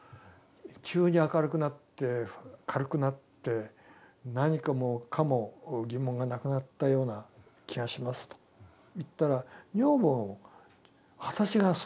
「急に明るくなって軽くなって何もかも疑問がなくなったような気がします」と言ったら女房も「私もそうなってる」って言う。